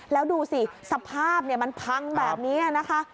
แล้วดูสิสภาพมันพังแบบนี้นะคะ